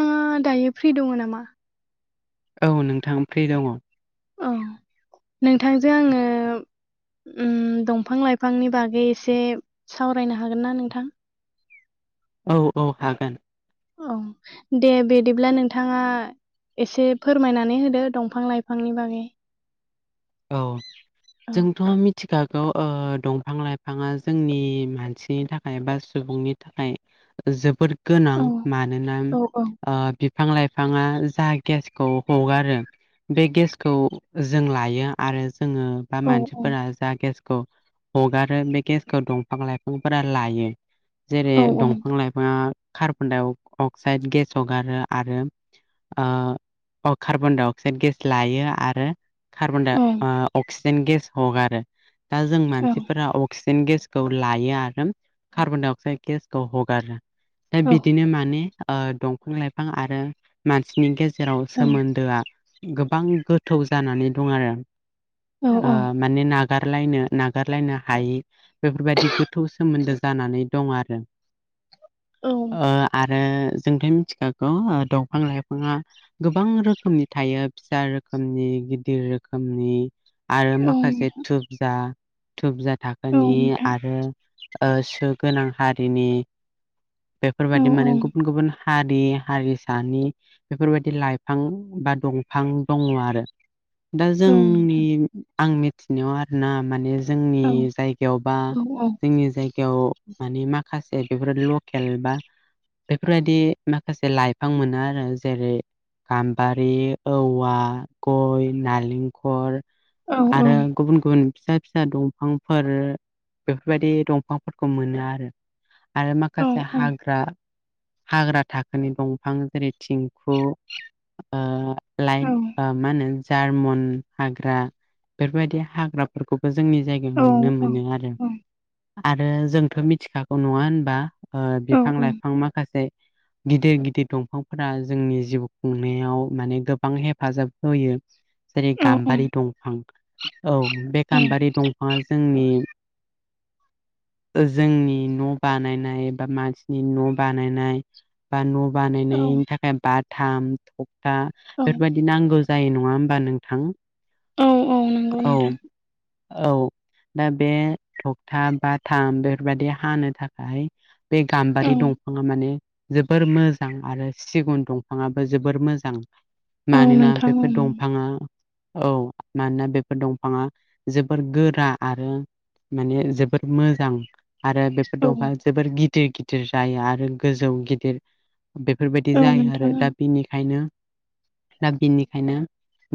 नोंथाङा दायो फ्रि दङ नामा? औ नोंथाङा फ्रि दङ। औ नोंथांजों आङो ओ दंफां लाइफांनि बागै एसे सावरायनो हागोन ना नोंथां औ औ हागोन औ दे बिदिब्ला नोंथाङा एसे फोरमायनानै होदो दंफां -लाइफांनि बागै औ औ जोंथ' [unintelligible] मिथिखागौ दंफां -लाइफाङा जोंनि मानसिनि थाखाय बा सुबुंनि थाखाय जोबोद गोनां औ मानोना औ औ ओ बिफां -लाइफाङा जा गेसखौ हगारो बे गेसखौ जों लायो आरो जोङो बा औ औ मानसिफोरा जा गेसखौ हगारो बे गेसखौ दंफां- लाइफांफोरा लायो। जेरै औ दंफां- लाइफाङा कार्बन-डाइ अ-अक्साइद गेस हगारो आरो अ कार्बन- डाइ -अक्साइड गेस लायो आरो कार्बन औ अक्सिजेन गेस हगारो आरो दा जों औ मानसिफोरा अक्सिजेन गेसखौ लायो आरो कार्बन- डाइ- अक्साइद गेसखौ हगारो। दा औ बिदिनो माने दंफां -लाइफां आरो मानसिनि गेजेराव सोमोन्दोआ गोबां गोथौ जानानै दं आरो। माने नागारलायनो -नागारलायनो हायै बेफोरबायदि गोथौ सोमोन्दो जानानै दं आरो। औ ओ आरो जोंथ' मिथिखागौ दंफां -लाइफाङा गोबां रोखोमनि थायो फिसा रोखोमनि गिदिर रोखोमनि। आरो औ माखासे थुबजा- थुबजा थाखोनि नोंथां आरो सु गोनां हारिनि औ बेफोरबायदि माने गुबुन -गुबुन हारि- हारिसानि बेफोरबायदि लाइफां बा दंफां दङ आरो। दा जोंनि नोंथां आं मिथिनायाव आरोना माने औ नोंथां औ जोंनि जायगायावबा औ जोंनि जाय बेयाव मानि माखासे बेफोरो लकेल बा बेफोरबायदि माखासे लाइफां मोनो आरो जेरै गाम्बारि, औवा, गय, नालेंखर औ औ आरो गुबुन -गुबुन फिसा- फिसा दंफांफोर बेफोरबायदि दंफांफोरखौ मोनो आरो। आरो औ माखासे हाग्रा हाग्रा थाखोनि दंफां जेरै थिंखु ओ लाइट मा होनो जार्मन हाग्रा बेफोरबायदि हाग्रा [unintelligible] जोंनि जायगायाव नुनो औ मोनो आरो। औ आरो जोंथ' मिथिखागौ नङा होनबा? ओ बिफां - औ औ लाइफां माखासे गिदिर -गिदिर दंफांफोरा जोंनि जिउ खुंनायाव माने गोबां हेफाजाब होयो। जेरै औ गाम्बारि दंफां औ बे गाम्बारि दंफाङा जोंनि जोंनि न' बानायनाय बा मानसिनि न' बानायनाय बा न' औ बानायनायनि थाखाय बाथाम थखथा औ बेफोरबायदि बिदि नांगौ जायो नङा होमबा नोंथां? औ औ नंगौ औ नोंथां। औ दा बे थगथा बा थाम बेफोरबायाददि हानो थाखाय बे औ गाम्बारि दं दफाङा माने जोबोर मोजां आरो सिगुन दंफाङाबो जोबोर मोजां। औ मानोना नोंथां औ बेफोर नंगौ दंफाङा औ मानोना बेफोर दंफाङा जोबोर गोरा आरो माने जोबोर मोजां आरो बेफोर दंफां जोबोर गिदिर गिदिर जायो आरो गोजौ गेदेर बेफोरबायदि औ जायो आरो। नोंथां दा बिनिखायनो दा बिनिखायनो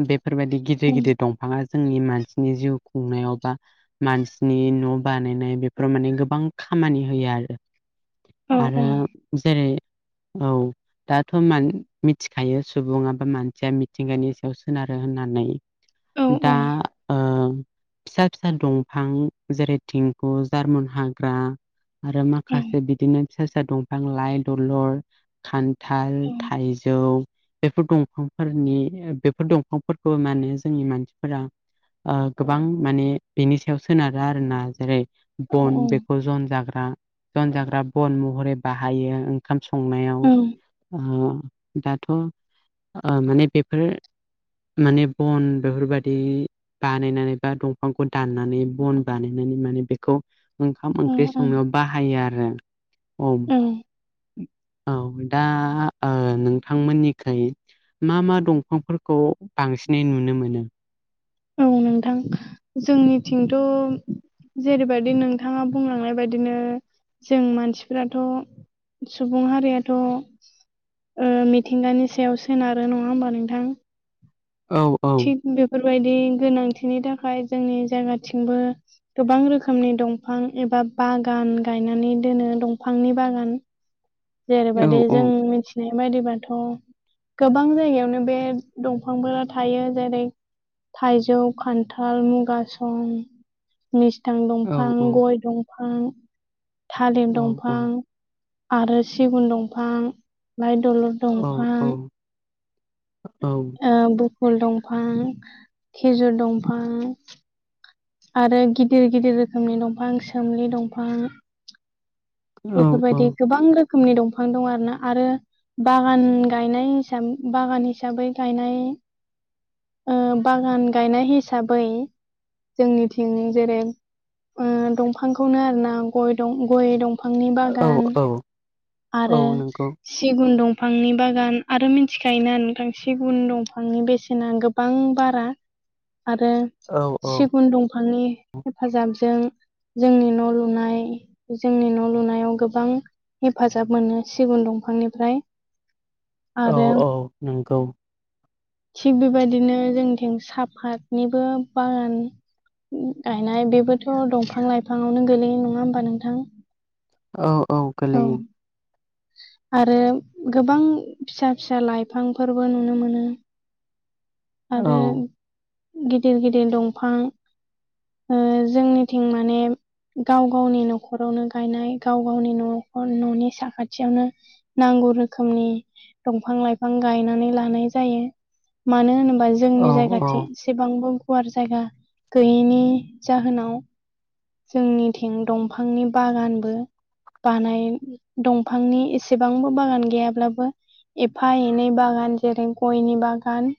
बेफोरबायदि औ गिदिर -गिदिर [unintelligible] बिफाङा जोंनि मानसिनि जिउ खुंनायाव बा मानसिनि न' बानायनाय बेफोराव माने गोबां खामानि होयो आरो। औ आरो औ जेरै औ। दाथ' म- मिथिखायो सुबुङा बा मानसिया मिथिंगानि सायाव सोनारो होननानै। औ दा ओ फिसा -फिसा दंफां जेरै [unintelligible] जार्मन हाग्रा आरो माखासे [unintelligible] बिदिनो फिसा- फिसा दंफां लाइ दलर, खान्थाल, थाइजौ। बेफोर दंफांफोरनि बेफोर दंफांफोरखौ मा होनो जोंनि मानसिफोरा आ गोबां माने बेनि सायाव सोनारो आरो ना? जेरै औ बन औ बेखौ जन जाग्रा जन जाग्रा बन महरै बाहायो ओं। ओंखाम संनायाव ओ दाथ' ओ माने बेफोर माने बन बेफोरबायदि बानायनानै बा दंफांखौ दाननानै बन बानाय माने बेखौ ओंखाम ओंख्रि संनायाव बाहायो आरो औ। उम औ दा ओ ओ नोंथांमोननिखाय मा मा दंफांफोरखौ बांसिनै नुनो मोनो? औ नोंथां जोंनिथिंथ' जेरैबायदि नोंथाङा बुंलांनाय बायदिनो जों मानसिफ्राथ' सुबुं हारियाथ' ओ मिथिंगानि सायाव सोनारो नङा होमबा नोंथां? औ औ। थिग बेफोरबायदि गोनांथिनि थाखाय जोंनि जायगाथिंबो गोबां रोखोमनि दंफां एबा बागान गायनानै दोनो दंफांनि बागान। औ जेरैबायदि औ जों मिन्थि नाय बायदिबाथ' गोबां जायगायावनो बे दंफांफोरा थायो। जेरै थाइजौ, खान्थाल, मुगासं, मिस्थां औ दंफां, गय दंफां, थालिर औ औ दंफां आरो सिगुन दंफां, लाइ दलर औ दंफां औ ओ बुफुल दंफां, खेजुर दंफां, आरो गिदिर गिदिर रोखोमनि दंफां सोमलि दंफां। बेफोरबायदि गोबां रोखोमनि दंफां दं आरोना आरो बागान गायनाय हिसाब बागान हिसाबै गायनाय। ओ बागान गायनाय हिसाबै जोंनिथिं जेरै ओ दंफांखौनो आरोना गय दं गय दं बिफांनि औ औ बागान औ औ आरो नंगौ सिगुन दंफांनि बागान आरो मिथिखायोना नोंथां सिगुन दंफांनि बेसेना गोब बां बारा आरो औ औ। उन दंफांनि हेफाजाबजों जोंनि न' लुनाय जोंनि न' लुनायाव गोबां हेफाजाब मोनो सिगुन दंफांनिफ्राय औ आरो औ नंगौ। थिग बेबायदिनो जोंनिथिं साहाफातनिबो बागान उम गायनाय बेबोथ' दंफां लाइफांआवनो गोलैयो नङा होमबा नोंथां औ औ गोलैयो। आरो गोबां फिसा फिसा लाइफांफोरबो नुनो मोनो औ आरो गिदिर गिदिर दंफां ओ जोंनिथिं माने गाव गावनि न'खरावनो गायनाय गाव गावनि न' न'नि साखा खाथियावनो नांगौ रोखोमनि दंफां लाइफां गायनानै लानाय जायो। मानो होनोबा जोंनि औ औ जायगाथिं एसेबांबो गुवार जायगा गैयैनि जाहोनाव जोंनिथिं दंफांनि बागानबो बानाय दं फांनि एसेबांबो बागान गैयाब्लाबो एफा एनै बागान जेरै गयनि बागान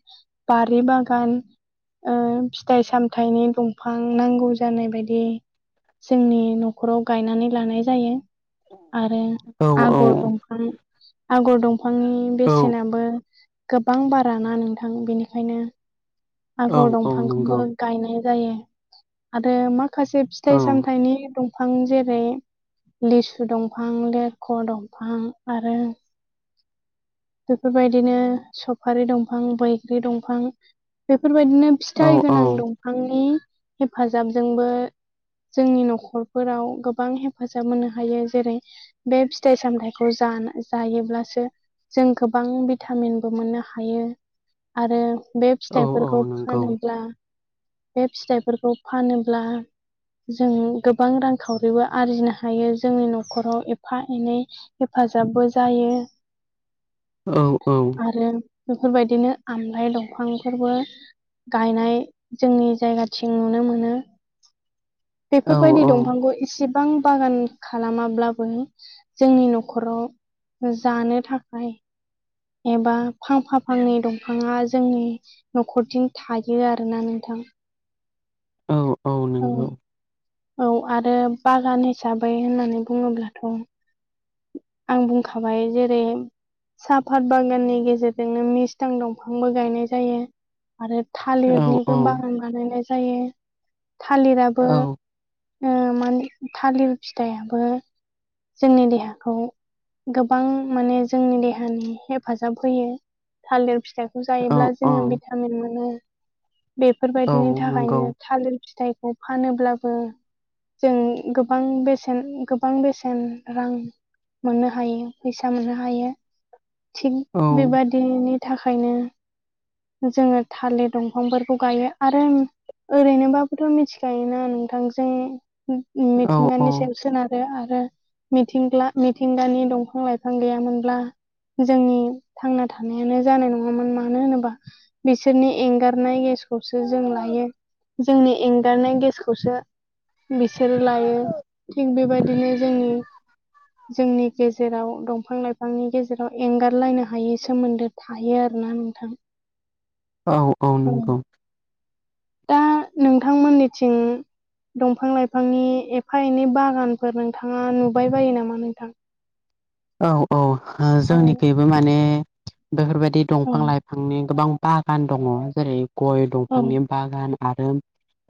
बारि बागान। ओ फिथाइ सामथायनि दंफां नांगौ जानाय बायदि जोंनि न'खराव गायनानै लानाय जायो। आरो औ आगर औ दंफां आगर दंफांनि औ बेसेनाबो गोबां बारा ना नोंथां बेनिखायनो औ आगर औ नंगौ दंफांखौबो गायनाय जायो आरो माखासे औ फिथाइ सामथायनि दं दंफां जेरै लिसु दंफां लेर ख' दंफां आरो बेफोर बायदिनो सफारि दंफां, बैग्रि दंफां। बेफोरबायदिनो औ फिथाइ औ गोनां दंफांनि हेफाजाबजोंबो जोंनि न'खरफोराव गोबां हेफाजाब मोननो हायो जेरै बे फिथाइ सामथायखौ जा ना जायोब्लासो जों गोबां भिटामिनबो मोननो हायो आरो बे औ औ फिथाइफोरखौ नंगौ फानोब्ला बे फिथाइफोरखौ फानोब्ला जों गोबां रांखावरिबो आरजिनो हायो जोंनि न'खराव फा एनै हेफाजाबबो जायो। औ औ। आरो बेफोर बायदिनो आमलाइ दंफांफोरबो गायनाय जोंनि जायगाथिं नुनो मोनो। बेफोर औ बायदि दंफांखौ इसेबां बागान खालामाब्लाबो जोंनि न'खराव जानो थाखाय। एबा फांफा फांनै दंफाङा जोंनि न'खरथिं थायो आरोना नोंथां औ औ नंगौ औ आरो बागान हिसाबै होननानै बुङोब्लाथ' आं बुंखाबाय जेरै साफात बागाननि गेजेरजोंनो मिसटां दंफांबो गायनाय जायो। आरो औ औ थालिरनिबो बागान बानायनाय जायो थालिराबो औ ओ माने थालिर फिथाइआबो जोंनि देहा खौ गोबां माने जोंनि देहानि हेफाजाब होयो थालिर फिथाइ खौ औ जायोब्ला औ जोङो भिटामिन मोनो बेफोरबायदिनि नंगौ थाखायनो थालिर फिथाइ फानोब्लाबो जों गोबां बेसेन गोबां बेसेन रां मोननो हायो फैसा मोननो हायो थिग औ औ बेबादिनि थाखायनो जोङो थालिर दंफांफोरखौ गायो आरो ओरैनोबाबोथ' मिथिखायोना नोंथां जों मिथिंगानि सायाव औ सोनार आरो मिथिंग्ला- मिथिंगानि दंफां लाइफां गैयामोनब्ला जोंनि थांना थानायानो जानाय नङामोन मानो होनोबा बिसोरनि एंगारनाय गेसखौसो जों लायो जोंनि एंगारनाय गेसखौसो बिसोरो लायो थिग बेबायदिनो जोंङोनि [inaudible] जोंनि गेजेराव दंफां लाइफांनि गेजेराव एंगारलायनो हायि सोमोन्दो थायो आरोना नोंथां। औ औ नंगौ। दा नोंथांमोननिथिं दंफां लाइफांनि एफा एनै बागानफोर नोंथाङा नुबाय बायो नामा नोंथां। औ औ औ जोंनिखैबो माने बेफोर बायदि औ दंफां लाइ फांनि गोबां बागान दङ जेरै गय औ दंफांनि बागान आरो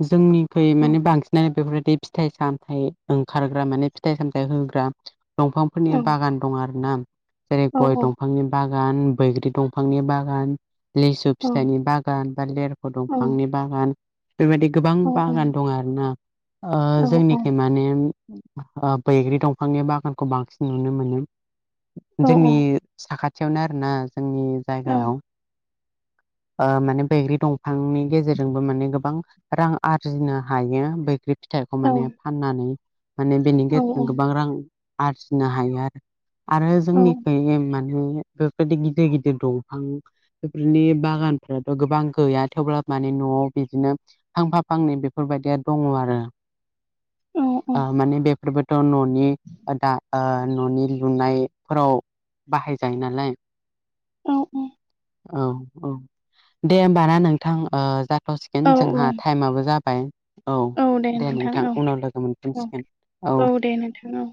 जोंनि फै औ माने बांसिनानो बेफोरबायदि फिथाइ सामथाइ ओंखारग्रा माने फिथाइ सामथाय होग्रा दंफांफोरनि औ बागान दं आरोना जेरै औ गय दंफांनि बागान बैग्रि दंफांनि बागान। लिसु औ फिथाइनि बागान बा लेरख औ दंफांनि बागान बेफोरबायदि। गोबां औ बागान दं आरोना। ओ औ जोंनिखि माने ओ बैग्रि दंफांनि बागानखौ बांसिन नुनो मोनो औ जोंनि साखाथियावनो आरोना जोंनि औ जायगायाव ओ माने बैग्रि दंफांनि गेजेरजोंबो माने गोबां रां आरजिनो हायो बैग्रि फिथाइखौ माने फाननानै माने बेनि गेजेरजों औ औ गोबां रां आरजिनो हायो आरो। आरो जोंनिखै माने बेफोरबायदि गिदिर गिदिर दंफां बेफोरनि बागानफ्राथ' गोबां गैया थेवब्ला माने न'आव बिदिनो फांफा फांनै बेफोरबायदिया दङ आरो। ओ माने बेफोरबोथ' न'नि दा न'नि लुनायफोराव बाहायजायो नालाय। औ औ। औ औ दे होमब ना नोंथां ओ हथ'सिगोन औ जोंहा औ टाइमाबो जाबाय। औ दे नोंथां उनाव लोगो औ मोनफिनसिगोन औ। दे नोंथां औ